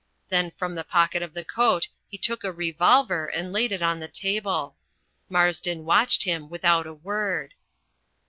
Then from the pocket of the coat he took a revolver and laid it on the table. Marsden watched him without a word.